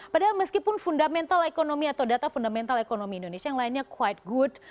padahal meskipun fundamental ekonomi atau data fundamental ekonomi indonesia yang lainnya quide good